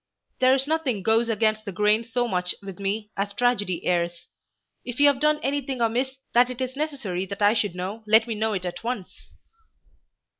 There is nothing goes against the grain so much with me as tragedy airs. If you have done anything amiss that it is necessary that I should know let me know it at once."